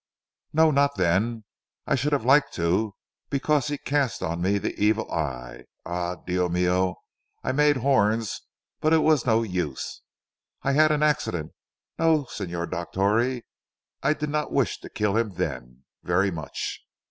"No, not then. I should have liked to: because he cast on me the evil eye. Ah Dio mio I made horns, but it was no use. I had an accident. No Signor Dottore I did not wish to kill him then very much.